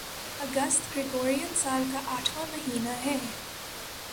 اگست Gregorian سال کا آٹھواں مہینہ ہے